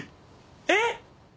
えっ！？